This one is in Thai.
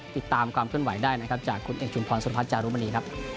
ติดตามความขึ้นหลายได้นะครับจากครูเอกจุใช์พรสุศิษย์ฝรรดิ์พระอุเปรนี